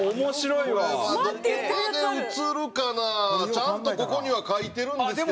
ちゃんとここには描いてるんですけど。